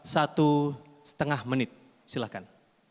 satu setengah menit silakan